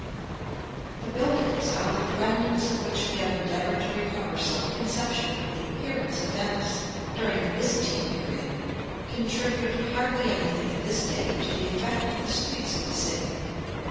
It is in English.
The buildings out of the remnants of which we have endeavored to recover some conception of the appearance of Venice during the Byzantine period, contribute hardly anything at this day to the effect of the streets of the city.